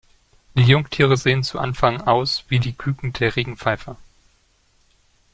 Die Jungtiere sehen zu Anfang aus wie die Küken der Regenpfeifer.